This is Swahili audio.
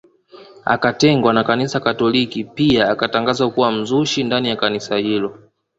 Akatengwa na kanisa katoliki pia akatangazwa kuwa mzushi ndani ya kanisa hilo